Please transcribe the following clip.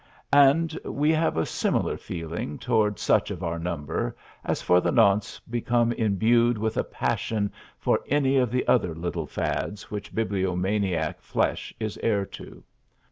And we have a similar feeling toward such of our number as for the nonce become imbued with a passion for any of the other little fads which bibliomaniac flesh is heir to.